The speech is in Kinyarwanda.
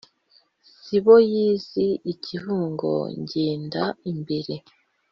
sibo y’iz’i kibungo ngenda imbere;